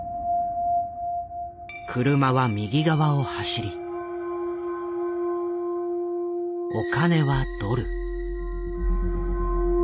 車は右側を走りお金はドル。